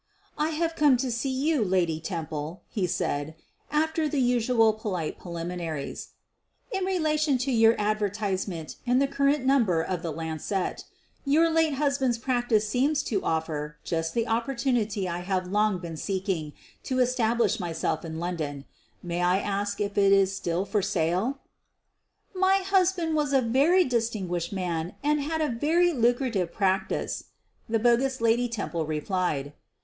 "I have come to see you, Lady Temple," he said, after the usual polite preliminaries, "in relation to your advertisement in the current number of the Lancet. Your late husband's practice seems to QUEEN OF THE BURGLARS 107 offer just the opportunity I have long been seeking to establish myself in London. May I a^k if it is still for sale!" "My husband was a very distinguished man and had a very lucrative practice/ p the bogus Lady Temple replied.